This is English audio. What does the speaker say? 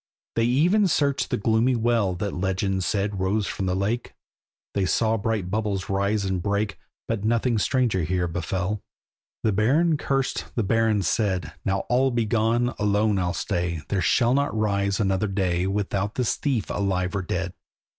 They even searched the gloomy well That legend said rose from the lake; They saw bright bubbles rise and break, But nothing stranger here befell. The Baron cursed—the Baron said, "Now all be gone, alone I'll stay, There shall not rise another day Without this thief, alive or dead."